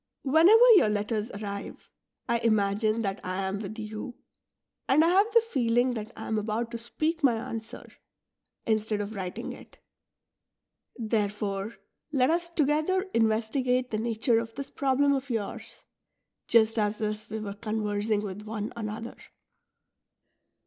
Whenever your letters arrive, I imagine that I am with you, and I have the feeling that I am about to speak my answer, instead of writing it. Therefore let us together investigate the nature of this problem of yours, just as if we were conversing with one another.''